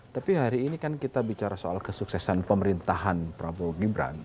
tapi hari ini kan kita bicara soal kesuksesan pemerintahan prabowo gibran